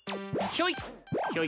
ひょい。